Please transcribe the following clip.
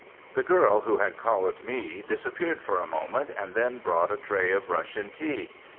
The girl who had collared me disappeared for a moment, and then brought a tray of Russian tea.